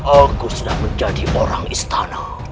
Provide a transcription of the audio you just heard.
aku sudah menjadi orang istana